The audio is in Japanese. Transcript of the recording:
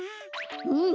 うん。